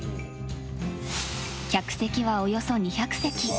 客席は、およそ２００席。